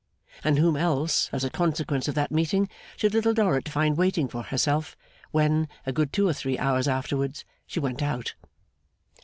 And whom else, as a consequence of that meeting, should Little Dorrit find waiting for herself, when, a good two or three hours afterwards, she went out?